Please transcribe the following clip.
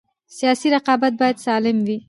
سیاسي رقابت باید سالم وي